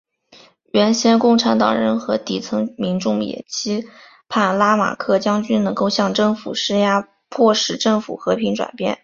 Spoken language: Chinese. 原先共和党人和底层民众也期盼拉马克将军能够向政府施压迫使政府和平转变。